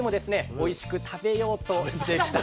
おいしく食べようとしてきた。